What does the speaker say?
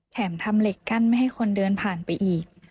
ทำเหล็กกั้นไม่ให้คนเดินผ่านไปอีก